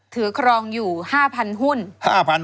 ถือครองอยู่๕๐๐๐หุ้น